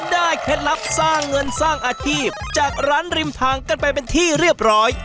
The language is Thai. เคล็ดลับสร้างเงินสร้างอาชีพจากร้านริมทางกันไปเป็นที่เรียบร้อย